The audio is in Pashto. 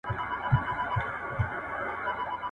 که ماشوم ونه ژاړي انا به ارامه وي.